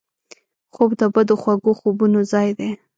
خوب د بدو خوږو خوبونو ځای دی